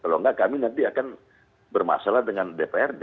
kalau enggak kami nanti akan bermasalah dengan dprd